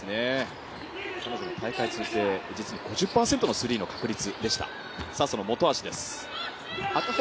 彼女は大会通じて実に５０％のスリーの確率。